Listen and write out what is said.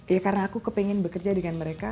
ya karena aku kepengen bekerja dengan mereka